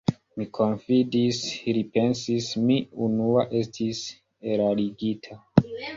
Mi konfidis, li pensis: mi unua estis erarigita.